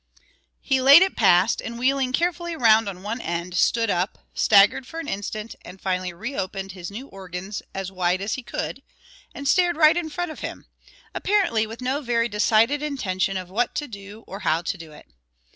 He laid it past, and wheeling carefully round on one end, stood up, staggered for an instant, and finally reopened his new organs as wide as he could, and stared right in front of him, apparently with no very decided intention of what to do or how to do it.